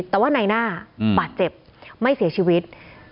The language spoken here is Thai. แต่ว่าในหน้าบาดเจ็บไม่เสียชีวิต